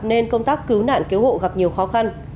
nên công tác cứu nạn cứu hộ gặp nhiều khó khăn